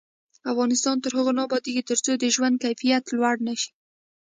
افغانستان تر هغو نه ابادیږي، ترڅو د ژوند کیفیت لوړ نشي.